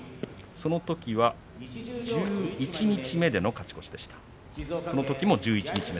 そのときも十一日目での勝ち越しでした。